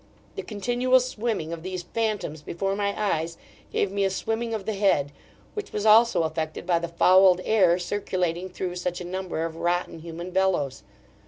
The continual swimming of these phantoms before my eyes, gave me a swimming of the head; which was also affected by the fouled air, circulating through such a number of rotten human bellows.